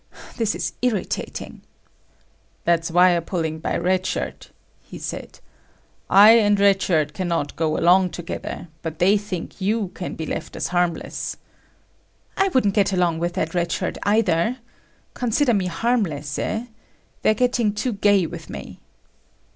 This is irritating!" "That's wire pulling by Red Shirt," he said. "I and Red Shirt cannot go along together, but they think you can be left as harmless." "I wouldn't get along with that Red Shirt either. Consider me harmless, eh? They're getting too gay with me."